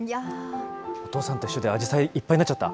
お父さんと一緒で、あじさいいっぱいになっちゃった。